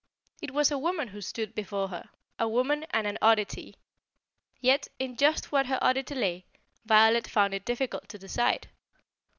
It was a woman who stood before her, a woman and an oddity. Yet, in just what her oddity lay, Violet found it difficult to decide.